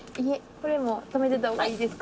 これも止めてた方がいいですか？